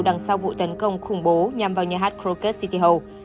đằng sau vụ tấn công khủng bố nhằm vào nhà hát kroket city hall